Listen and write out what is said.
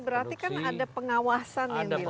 berarti kan ada pengawasan yang dilakukan